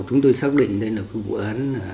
chúng tôi xác định đây là vụ án